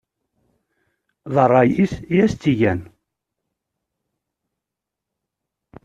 D ṛṛay-is i yas-tt-igan.